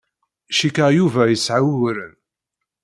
Cikkeɣ Yuba yesɛa uguren.